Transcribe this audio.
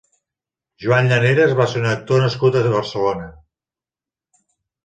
Joan Llaneras va ser un actor nascut a Barcelona.